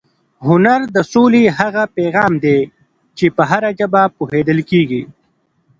هنر د سولې هغه پیغام دی چې په هره ژبه پوهېدل کېږي.